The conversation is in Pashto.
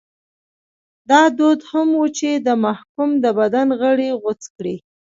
دا دود هم و چې د محکوم د بدن غړي غوڅ کړي.